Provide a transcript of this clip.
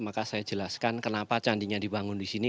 maka saya jelaskan kenapa candinya dibangun di sini